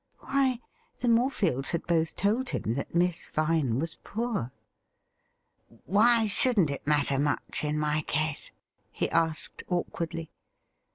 Why, the Morefields had both told him that Miss Vine was poor. ' Why shouldn't it matter much in my case .'" he asked awkwardly.